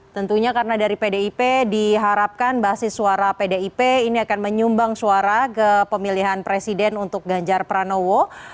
tentunya karena dari pdip diharapkan basis suara pdip ini akan menyumbang suara ke pemilihan presiden untuk ganjar pranowo